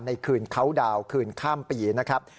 ในคืนเขาดาวน์คืนข้ามปีนะครับ